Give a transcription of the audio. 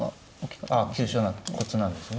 あ急所コツなんですね。